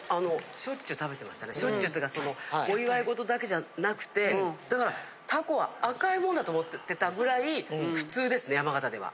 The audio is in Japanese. しょっちゅうっていうかお祝い事だけじゃなくてだからたこは赤いもんだと思ってたぐらい普通ですね山形では。